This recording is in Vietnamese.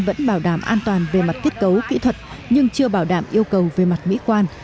vẫn bảo đảm an toàn về mặt kết cấu kỹ thuật nhưng chưa bảo đảm yêu cầu về mặt mỹ quan